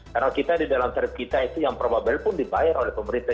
karena kita di dalam tarif kita itu yang probable pun dibayar oleh pemerintah